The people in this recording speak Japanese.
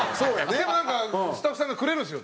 でもなんかスタッフさんがくれるんですよ。